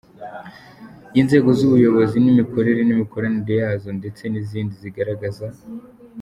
y’inzego z’ubuyobozi n’imikorere n’imikoranire yazo, ndetse n’izindi zigaragaza